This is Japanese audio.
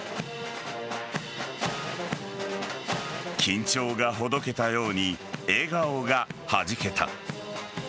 緊張がほどけたように笑顔がはじけた。